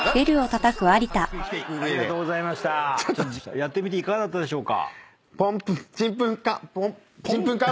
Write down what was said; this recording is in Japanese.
やってみていかがだったでしょうか？